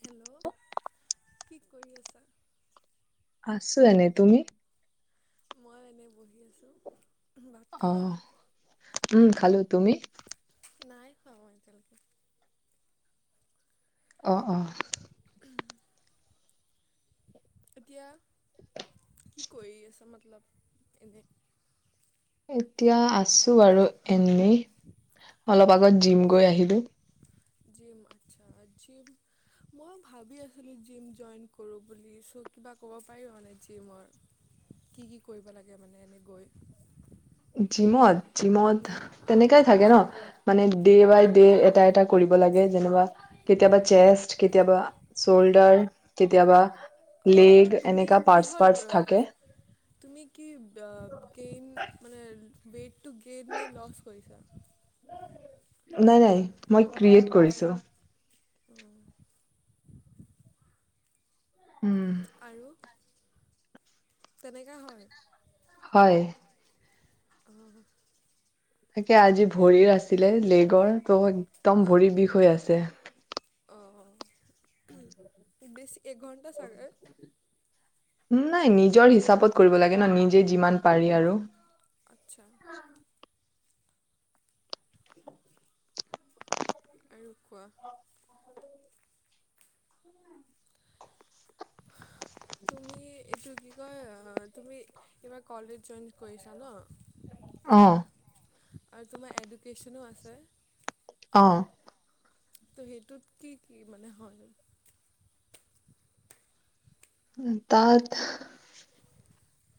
Hello কি কৰি আছা? আছো এনেই তুমি। মই এনেই বহি আছোঁ। ভাত খালা আহ উম খালো তুমি? নাই খোৱা মই এতিয়ালৈকে। অ! অ! এতিয়া কি কৰি আছে মতলব এনেই এতিয়া আছো বাৰু এ ি অলপ আগত জিম পঢ় গৈ আহিলো। জিম আচ্ছা জিম মই ভাবি আছিলোঁ জিম জইন কৰোঁ বুলি চ' কিবা ক'ব পাৰি মানে জিমৰ কি কি কৰিব লাগে মানে এনে গৈ জিমত জিমত তেনেকাই থাকে ন মানে ডে বাই ডে এটা এটা কৰিব লাগে যেনবা কেতিয়াবা চেষ্ট কেতিয়াবা চল্ডাৰ কেতিয়াবা অ লেগ তুমি এনেকা পাৰ্টচ কিহৰ পাৰ্টচ থাকে তুমি কি গেইন মানে ৱেইট টু গেইনে নে লছ কৰিছা নাই নাই মই ক্ৰিয়েট কৰিছো উ উম তেনেকা হয় হয় অ তাকে আজি ভৰিৰ আছিলে লেগৰ ত একদম ভৰি অ' বিষ হৈ আছে উম বেছি এক ঘণ্টা চাগে নাই নিজৰ হিচাপত কৰিব লাগে ন নিজে যিমান পাৰি আৰু আচ্ছা আৰুু কোৱা তুমি এইটো কি কয় তুমি এইবাৰ কলে [unintelligible] চেঞ্জ কৰিছা ন অ আৰু তোমাৰ এডুকেশ্যনো আছে অ ত' সেইটোত কি কি মানে হয় তাত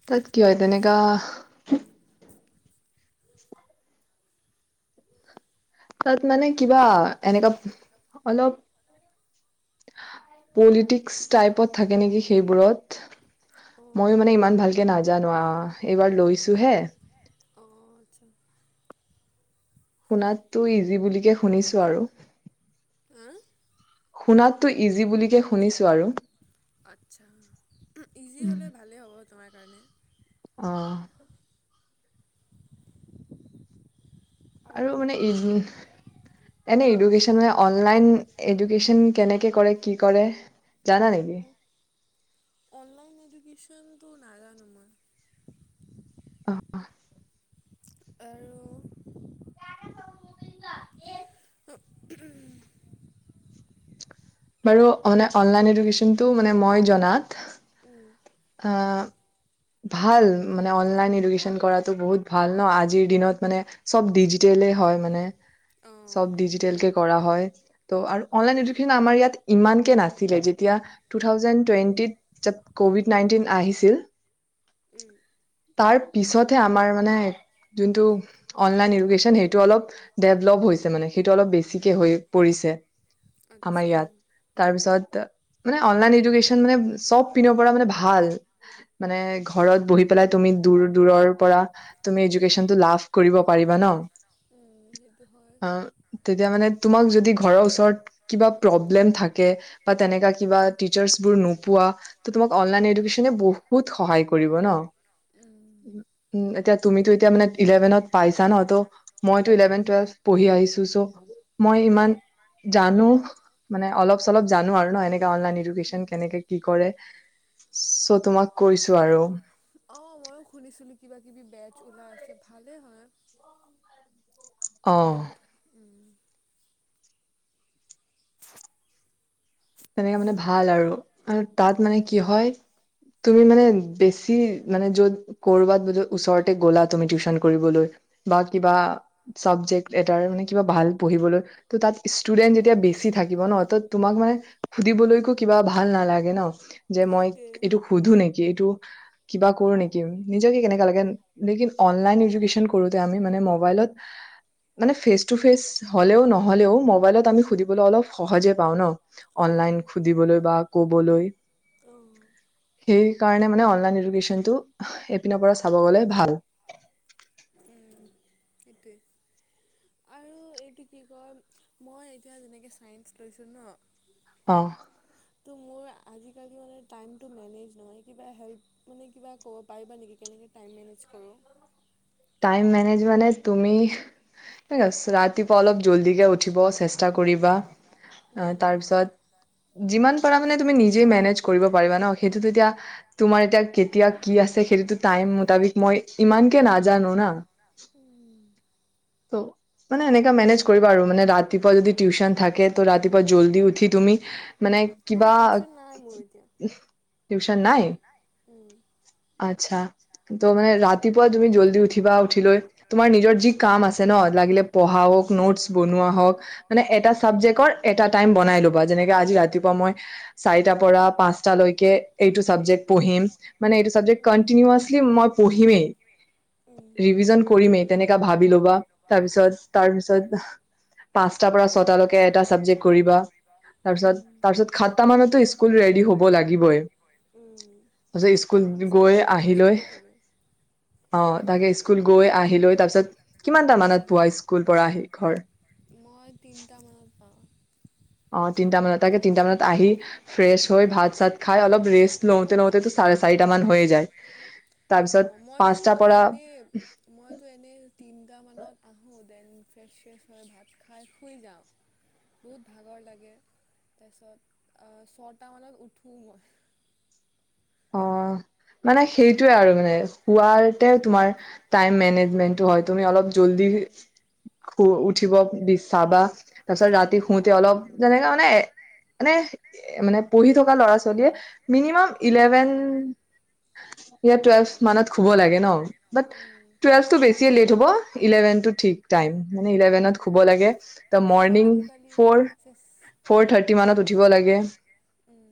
তাত কি হয় তেনেকা তাত মানে কিবা এনেুৱা অলপ পলিটিক্স টাইপত থাকে নেকি সেইবোৰত ময়ো অ' মানে ইমান ভালকে নাজানো আহ এইবাৰ লৈছো হে অ আছা শুনাততো ইজি বিকে শুনিছো আৰু হা শুনাততো ইজি বুলিুলিকে শুনিছোঁ আৰু আচছা ইজি হলে ভালে হ'ব তোমাৰ কাৰণে আহ আৰু মানে উ এনে এডুকেশ্যন অনলাইন এডুকে্যন কেনেকে কৰে কি কৰে জানা নেকি অনলাইন এডুকেশনটো নাগ নোা অ আৰু [inaudible] উম বাৰু অন অনলাইন এডিকেশ্চনটো মই জনাত উম অ ভাল মানে অনলাইন এডুকেশ্যন কৰাতো বহুত ভাল ন আজিৰ দিনত মানে চব ডিজিটেলেই হয় মানে চব অ' ডিজিটেল কে কৰা হয়। ত' আৰু অনলাইন উম এডুকেশ্যন আমাৰ ইয়াত ইমানকে নাছিলে যেতিয়া টু থাউজ্যান্ড টুৱেনটিত যাব কভিড নাইনটিন নাইটিন আহিছিল উম। তাৰ পিছতহে আমাৰ মানে যোনটো অনলাইন ইডুকেশ্যন সেইটো অলপ ডেভলপ হৈছে মানে সেইটো অলপ বেছিকে হৈ পৰিছে। আমাৰ আচ্ছা। ইয়াত তাৰপিছত মানে অনলাইন এডুকেশ্চন মানে চব পিনৰ পৰা মানে ভাল। মানে ঘৰত বহি পেলাই তুমি দূৰ দূৰৰ পৰা তুমি এডুকেশ্চনটো লাভ কৰিব পাৰিবা ন। উম সেইটো হয় অ তেতিয়া মানে তোমাক যদি ঘৰৰ ওচৰত কিবা প্ৰব্লেম প্ৰবলেম থাকে বা তেনেকা কিবা টিচচাৰবোৰ নোপোৱা অনলাইন এডুকেশ্চনে বহুত সহায় কৰিব ন, উম উম এতিয়া তুমি টো এতিয়া ইলেভেন পাইছা ন মইতো ইলেভেন টুৱেলভ পঢ়ি আহিছো চ' মই ইমান জানো। মানে অলপ চলপ জানো আৰু ন এনেকে অনলাইন এডুকেচন কেনেকে কি কৰে চ' তোমাক কৈছো আৰু অ ময়ো শুনিছিলো কিবা কিবি বেজ ওলাই আছে ভালেই হয়। অ বাট উম। তেনেকে মানে ভাল আৰু। আৰু তাত উম মানে কি হয় তুমি মানে বেছি মানে যত কৰবাত যদি ওচৰতে গলা তুমি টিউচনলৈ কৰিবলৈ বা কিবা চাবজেক্ট এটা ভাল পঢ়বলৈ তাত ষ্টুডেন্ত বেছি যেতিয়া বেছি থাকিব ন তোমাক মানে সুধিবলৈকো কিবা ভাল নালাগে ন। যে মই সেইটোৱে এইটোক সোধো নেকি। এইটো কিবা কৰো নেকি নিজেকে কেনেকা লাগে লেকিন অনলাইন এডুকেচন কৰোতে আমি মানে মবাইলত মানে ফেচ টু ফেচ হলেও নহলেও মবাইলত আমি সুধিবলৈ অলপ সহজে পাও ন। উম অনলাইন শুধিবলৈ বা কবলৈ। অ'। সেই কাৰণে মানে অনলাইন এডুকেচনটো এপিনৰ পৰা চাব গলে ভাল। সেইটোৱেই আৰু এইটো কি কয় মই এতিয়া যেনেকৈ ছাইন্ঞ্চ লৈছোঁ ন অ'। ত' মোৰ আজিকালি মানে টাইমটো মেনেজ নহয় কিবা হেল্প মানে কিবা ক'ব পাৰিবা নেকি কেনেকৈ টাইম মেনেজ কৰোঁ। টাইম মেনেজ মানে তুমি ৰাতিপুৱা অলপ জল্দিকে উঠিব চেষ্টা কৰিবা। অ উম তাৰ পিছত যিমান পাৰা মানে তুমি নিজে মেনেজ কৰিব পাৰিবা ন সেইটোতো এতিয়া তোমাৰ এতিয়া কেতিয়া কি আছে সেইটোতো টাইম মতাবিক মই ইমানকে নাজা [unintelligible] তও মানে এনেকা মেনেজ কৰিবা আৰু মানে ৰাতিপুৱা যদি টিউচন থাকে ত ৰাতিপুৱা জল্দি উঠি তুমি মানে না কিবা টিউচন নাই মোৰ এতিয়া টিউচন নাই উম আচ্ছা ত মানে ৰাতিপুৱা তুমি জল্দি উঠিবা উঠি লৈ তোমাৰ নিজৰ যি কাম আছে ন? লাগিলে পঢ়া হওক, নোটছ বনুৱা হওক। মানে এটা চাবজেক্টত এটা টাইম বনাই লবা, যেনেকে আজি ৰাতিপুৱা মই চাৰিটা পৰা পাঁচটালৈ এইটো চাবজেক্ট পঢ়িম। মানে এইটো চাবজেক্ট কণ্টিনিয়াছলী মই পঢ়িম ৰিভিৰ্জন কৰিমে, তেনেকা ভাবি ল'বা, তাৰ পিছত, তাৰপিছত পাঁচটা পৰা ছয় টালৈকে এটা চাবজেক্ট কৰিবা তাৰ পিছত তাৰপিছত সাতটা মানতো স্কুল ৰেডি হ'ব লাগিবই, তাৰিছত আঠটা স্কুল গৈ আহি লৈ অঁ, তাকে। স্কুল গৈ আহি লৈ তাৰপিছত কিমানটা মানত পোৱা স্কুল পৰা আহি ঘৰ? মই তিনিটামানত পাওঁ অ। তিনটা মানত তাকে তিনটা মানাত আহি ফ্ৰেছ হৈ ভাত চাত খাই অলপ ৰেষ্ট লওঁতে লওঁতেতো চাৰে চাৰিটা মান হৈ যায়। তাৰ পিছত অ' মইতো পাঁচটাৰ পৰা এনেই মইতো এনেই তিনিটামানত আহোঁ দেন ফ্ৰেছ ফ্ৰেছ হয় ভাত খাই শুই যাওঁ, বহুত ভাগৰ লাগে। তাৰপিছত ছটা মানত উঠো মই। অঁ, মানে সেইটোয়ে আৰু, মানে শোৱাতে তোমাৰ টাইম মেনেজমেন হয়। তুমি অলপ জল্দি উম। উঠিব বিচ চা বা। তাৰপিছত ৰাতি শুতে অ'। অলপ যেনেকা মানে মানে, মানে পঢ়ি থকা ল'ৰা ছোৱালীয়ে মিনিমাম ইলেভেন। টুৱেলভ উম, মানত শুব লাগে ন? বাত, উম, টুৱেলটো বেছিয়ে লেট হ'ব, ইলেভেন টো থিক টাইম। মানে ইলেভেনত উম। শুব লাগে, দ সেইটো মই মৰ্নিং আজিকালি ফৰ চেচ ফৰ থাৰ্টি মানত উঠিব লাগে। উম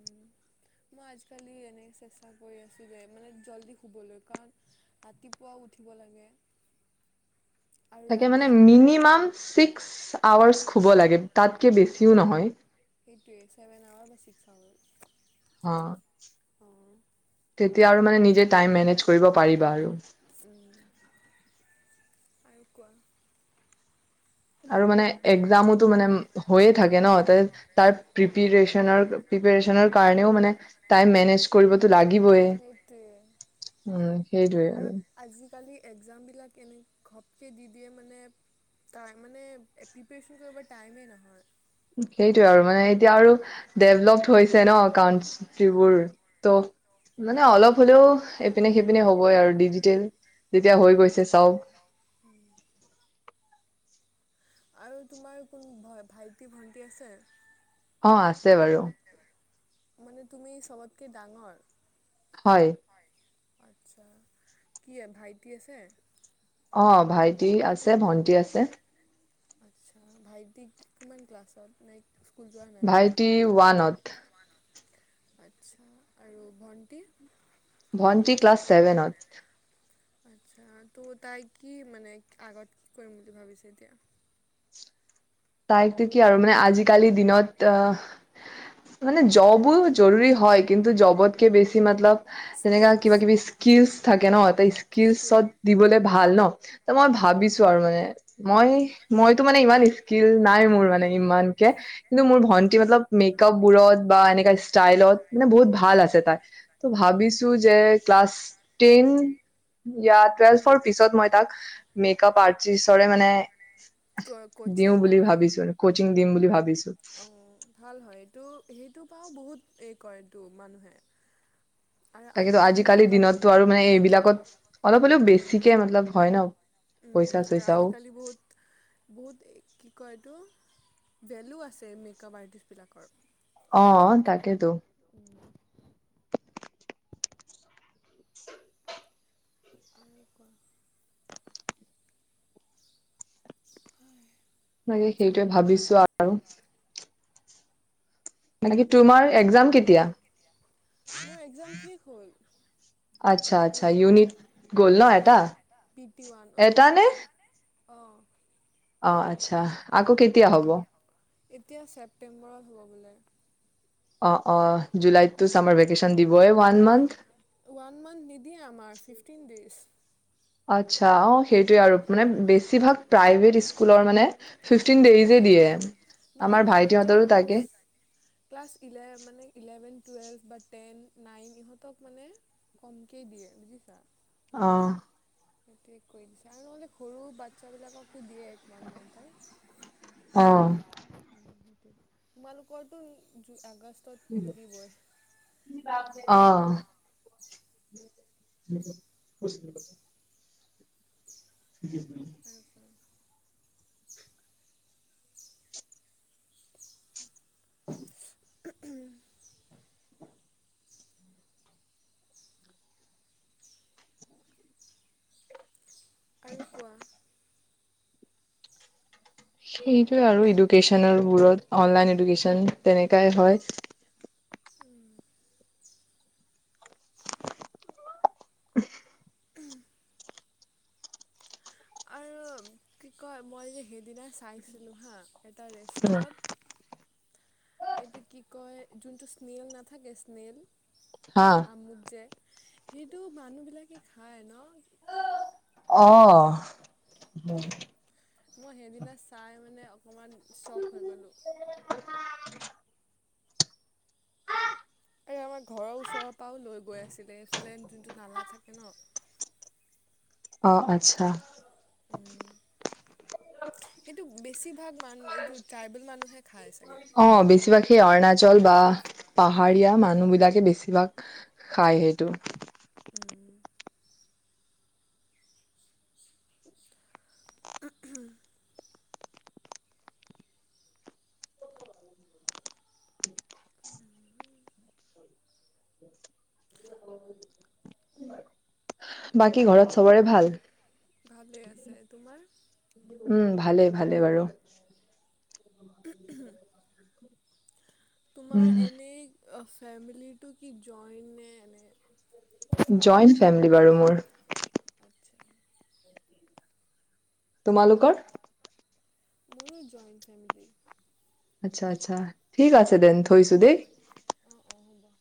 মই আজিকালি এনে চেষ্টা কৰি আছোঁ দে, মানে জল্দি শুবলৈ কাৰণ ৰাতিপুৱাও উঠিব লাগে। আৰু তাকে ৰাতি মানে মিনিমাম ছিক্স আৱাৰচ শুব লাগে তাতকে বেছিও নহয়। সেইটোৱে ছেভেন আৱাৰ বা ছিক্স আৱাৰ। অঁ, অঁ উম তেতিয়া আৰু মানে নিজে টাইম মেনেজ কৰিব পাৰিবা আৰু। আৰু কোৱা। আৰু মানে এক্সামটো মানে হৈয়ে থাকে ন তাৰ প্ৰিপচনৰ প্ৰিপৰেচনৰ কাৰণেও মানে টাইম মেনেজ কৰিবতো লাগিবয়ে। সেইটোৱে উম, সেইটোৱে আৰু। এক্সাম বিলাক এনে ঘপকৈ দি দিয়ে মানে তাই, মানে, প্ৰিপেশচন কৰিব টাইমেই নহয়। সেইটোয়ে আৰু মানে এতিয়া আৰু ডেভলপড হৈছে ন একাউ ফিবোৰ ত [unintelligible] মানে অলপ হ'লেও এপিনে সেইপিনে হ'বই আৰু ডিজিটেল। তেতিয়া হৈ গৈছে চব। আৰু তোমাৰ কোন ভাইটি-ভন্টি আছে? অঁ, আছে বাৰু। মানে তুমি চবতকে ডাঙৰ? হয়। আচ্ছা, কি, ভাইটি আছে? অঁ, ভাইটি আছে, ভন্টি আছে। আচ্ছা ভাইটিক কিমান ক্লাছত নাইক ভাইটি ওৱানত। আচ্ছা আৰু ভণ্টি? ভন্টি ক্লাছ ছেভেনত। আচ্ছা ত' তাই কি মানে আগত কি কৰিম বুলি ভাবিছে এতিয়া? তাইতো কি আৰু মানে আজিকালিৰ দিনত আহ মানে জবো জৰুৰী হয়, কিন্তু জবতকে বেছি মতলব তেনেকা স্কিলছ কিবা কিবি স্কিলচ থাকে ন। সেইটোৱে স্কিলছত দিবলে ভাল ভাল ন। ত মই ভাবিছো আৰু মানে মই মইতো মানে ইমান স্কিলচ নাই মোৰ মানে। ইমানকে কিন্তু মোৰ ভন্টি মতলব মেকআপ বোৰত বা এনেকুৱা ষ্টাইলত মানে বহুত ভাল আছে তাই ত' ভাবিছো যে ক্লাছ টেন য়া টুৱেলফৰ পিছত মই তাক মেকআপ আৰ্ট আৰ্টিষ্টৰে মানে ক ক দিওঁ বুলি ভাবিছো। কচিং দিম বুলি ভাবিছো। অ ভাল হয় এইটো সেই টো পৰাও বহুত এই কৰেটো, মানুহে। আৰু তাকে টো আজিকালি আজিকালিৰ মেকআপ দিনততো আৰু মানে সেইটোৱে এইবিলাকত অলপ হলেও বেছি বেছিকে মতলব হয় ন। উম পইচা আৰু চইচাও আজিকালি বহুত বহুত কি কয় এইটো ভেলু আছে মেকআপ আৰ্টিষ্টবিলাকৰ। অ তাকেতো। [unintelligible] বাকী সেইটোৱে ভাবিছো আৰু। মানে কি তোমাৰ একজাম কেতিয়া? মোৰ একজাম শেষ হ'ল, আচ্ছা আচ্ছা ইউনিট গ'ল ন অ এটা পি টি ওৱান এটা উম। নে অঁ। অ আচ্ছা, আকৌ কেতিয়া হব? এতিয়া ছেপ্তেম্বৰত হ'ব বোলে। অ অ জুলাইতটো চামাৰ ভেকেচন দিবই ওৱান মান্থ। ওৱান মান্থ নিদিয়ে আমাৰ ফিফটিন ডেইজ। আচ্ছা অ সেইটোযৱে আৰু মানে বেছিভাগ প্ৰাইভেট স্কুলৰ মানে ফিফটিন ডেইজে এইটোৱে দিয়ে নহয় আমাৰ নহয় এতিয়া ভাইটিহঁতৰো তাকে ক্লাছ ক্লাছ ইলে মানে ইলেভেন টুৱেল্ভ বা টেন নাইন ইহঁতক মানে কমকে দিয়ে বুজিছা অঁ সেইটোৱে কৰি দিছে আৰু নহ'লে সৰু বাচ্ছাবিলাককতো দিয়ে এক [unintelligible] অ তোমালোকৰটো [unintelligible] আগষ্ট অ [inaudible] আৰু [inaudible] কোৱা আৰু কোৱা সেইটোৱে আৰু এডুকেশ্যনেলবোৰত অনলাইন এডুকেশ্যন তেনেকাই হয় উম আৰু কি কয় মই যে সেইদিনা চাইছিলোঁ হা এটা উম, ৰেষ্টুৰেট এইটো কি কয় যোনটো স্নেইল নাথাকে স্নেইল হা। শামুক যে সেইটো মানুহ বিলাকে খায় ন অ মই সেইদিনা চাই মানে অকমান চক হৈ গ'লোঁ এই আমাৰ ঘৰৰ ওচৰৰ পৰাও লৈ গৈ আছিলে এইফালে যোনটো নালা থাকে ন অ আচ্ছা [inaudible] সেইটো বেছিভাগ মানুহ এইটো ট্ৰাইবেল মানুহে খায় চাগে অ বেছিভাগ সেই অৰুণাচল বা পাহাৰীয়া মানুহ বিলাকে বেছিভাগ খাই সেইটো [unintelligible] বাকী ঘৰত সবৰে ভাল ভালেই আছে তোমাৰ উম ভালে ভালেই বাৰু [unintelligible] তোমাৰ উম, এনেই ফেমিলি টো কি জইন নে এনেে জইণ্ট ফেমিলি বাৰু মোৰ আচ্ছা তোমালোকোক মোৰো জইণ্ট ফেমিলি আচ্ছা আচ্ছা ঠিক আছে দেন থৈছো দেই অহব